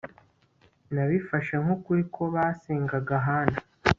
Nabifashe nkukuri ko basengaga Hana